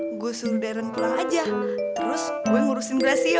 gue suruh deren pulang aja terus gue ngurusin gracio